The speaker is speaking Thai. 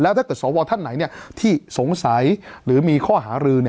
ถ้าเกิดสวท่านไหนที่สงสัยหรือมีข้อหารือ